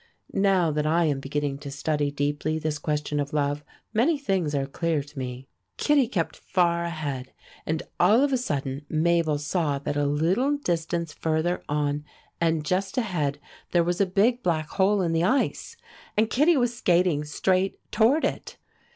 Now that I am beginning to study deeply this question of love, many things are clear to me. Kittie kept far ahead, and all of a sudden Mabel saw that a little distance further on, and just ahead, there was a big black hole in the ice, and Kittie was skating straight toward it.